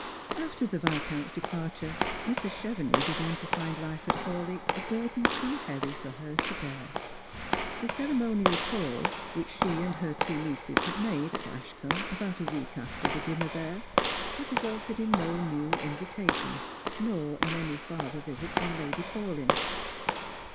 After the Viscount's departure Mrs. Chevenix began to find life at Hawleigh a burden too heavy for her to bear. The cere monial call which she and her two nieces had made at Ashcombe about a week after the dinner there, had resulted in no new invitation, nor in any farther visit from Lady Paulyn.